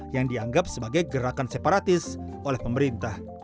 yang dianggap sebagai gerakan separatis oleh pemerintah